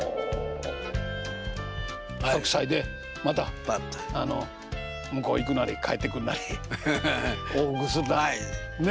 １００歳でまた向こう行くなり帰ってくるなり往復するなりね。